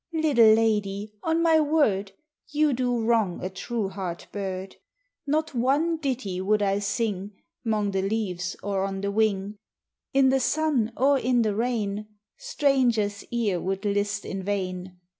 "Little lady, on my word, You do wrong a true heart bird! Not one ditty would I sing, 'Mong the leaves or on the wing, In the sun or in the rain; Stranger's ear would list in vain.